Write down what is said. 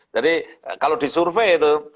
jadi kalau disurvey itu